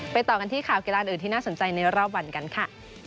ต่อกันที่ข่าวกีฬาอื่นที่น่าสนใจในรอบวันกันค่ะ